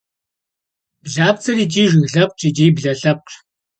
Блапцӏэр икӏи жыг лъэпкъщ, икӏи блэ лъэпкъщ.